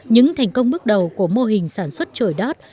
những thành công bước đầu của mô hình sản xuất trội đót